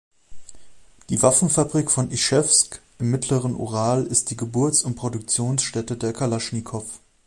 Die Waffenfabrik von Ischewsk im mittleren Ural ist die Geburts- und Produktionsstätte der Kalaschnikow.